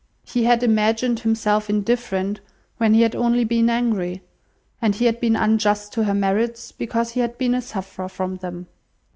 He had imagined himself indifferent, when he had only been angry; and he had been unjust to her merits, because he had been a sufferer from them.